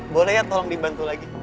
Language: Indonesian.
boleh ya tolong dibantu lagi